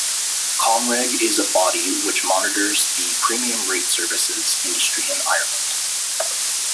Comreg is a body which monitors the premium rate services industry in Ireland.